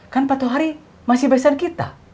kan pak tuhari masih besan kita